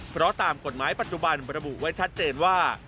เพราะตามกฎหมายปัจจุบันระบุไว้ชัดเจนว่า